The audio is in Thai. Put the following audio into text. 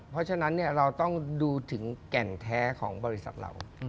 เพราะฉะนั้นเราต้องดูถึงแก่นแท้ของบริษัทเรา